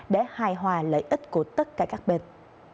để hài hòa lợi ích của tất cả các bên